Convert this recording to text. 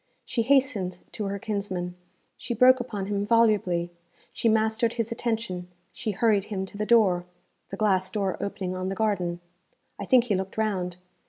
She hastened to her kinsman, she broke upon him volubly, she mastered his attention, she hurried him to the door the glass door opening on the garden. I think he looked round.